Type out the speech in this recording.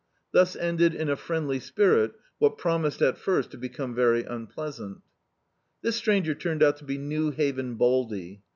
Thus ended in a friendly spirit what promised at first to become very un pleasant. This stranger turned out to be New Haven Baldy.